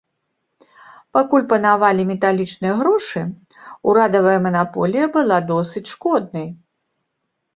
Пакуль панавалі металічныя грошы, урадавая манаполія была досыць шкоднай.